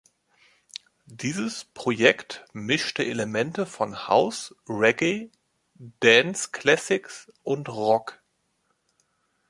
Dieses Projekt mischte Elemente von House, Reggae, Dance-Classics und Rock.